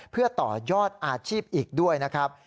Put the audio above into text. เพื่อต่อยอดอาชีพอีกด้วยนะครับ